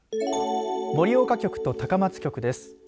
盛岡局と高松局です。